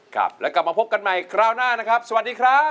ครับแล้วกลับมาพบกันใหม่คราวหน้านะครับสวัสดีครับ